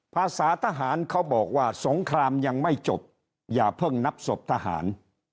ภาษาทหารเขาบอกว่าสงครามยังไม่จบอย่าเพิ่งนับศพทหาร